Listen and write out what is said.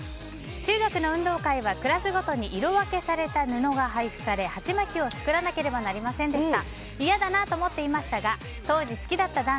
中学の運動会はクラスごとに色分けされた布が配布され鉢巻きを作らなければなりませんでした。